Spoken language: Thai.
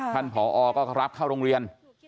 ผอก็รับเข้าโรงเรียน